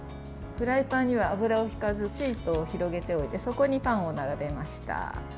フライパンには油をひかずシートを広げておいてそこにパンを並べました。